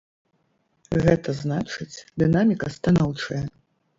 Гэта значыць, дынаміка станоўчая.